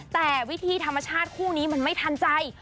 แต่วิธีธรรมชาติคู่นี้มันไม่ทันใจ